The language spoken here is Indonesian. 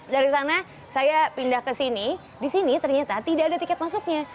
dari sana saya pindah ke sini di sini ternyata tidak ada tiket masuknya